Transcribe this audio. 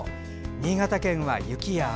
新潟県は雪や雨。